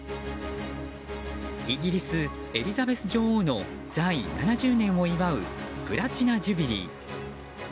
イギリス、エリザベス女王の在位７０年を祝うプラチナ・ジュビリー。